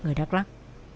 người đắk lăng